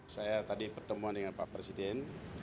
saya tadi pertemuan dengan pak presiden